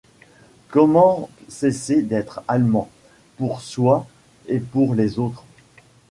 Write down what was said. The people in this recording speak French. Comment cesser d’être allemand, pour soi et pour les autres ?